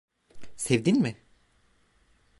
Sevdin mi?